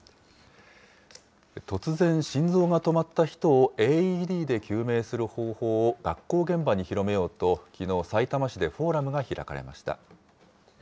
突然心臓が止まった人をＡＥＤで救命する方法を学校現場に広めようと、きのう、さいたま市でフォーラムが開かれました。